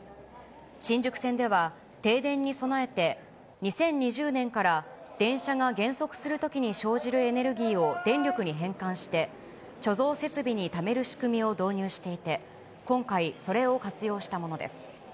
新宿線では、停電に備えて、２０２０年から、電車が減速するときに生じるエネルギーを電力に変換して、貯蔵設備にためる仕組みを導入していて、今回、それを活用したものです。